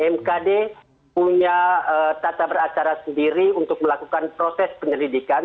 mkd punya tata beracara sendiri untuk melakukan proses penyelidikan